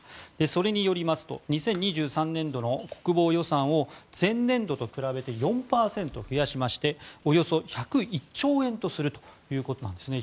それによりますと２０２３年度の国防予算を前年度と比べて４％増やしましておよそ１０１兆円とするということなんですね。